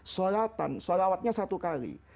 salatan salawatnya satu kali